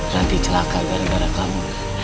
nanti celaka gara gara kamu